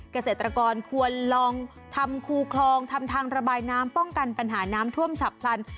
เกษตรกรควรลองทำคูคลองทำทางระบายน้ำป้องกันปัญหาน้ำท่วมฉับพลัน